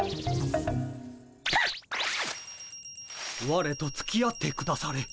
われとつきあってくだされ。